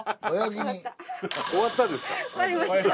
終わったんですか？